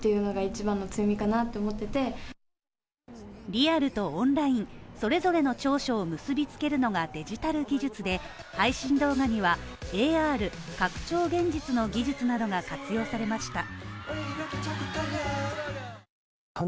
リアルとオンライン、それぞれの長所を結びつけるのがデジタル技術で配信動画にはＡＲ＝拡張現実の技術などが活用されました。